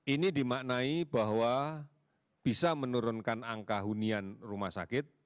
ini dimaknai bahwa bisa menurunkan angka hunian rumah sakit